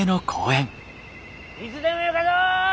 いつでもよかぞ！